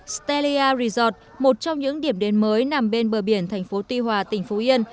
stellia resort một trong những điểm đến mới nằm bên bờ biển thành phố tuy hòa tỉnh phú yên